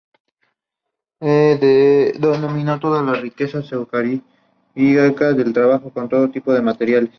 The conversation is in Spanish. Su distribución geográfica comprende el Indo-Pacífico, en China, Corea, Japón, Filipinas e Indonesia.